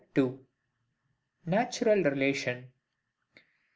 Natural relation.